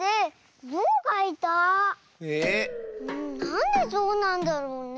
なんでぞうなんだろうね？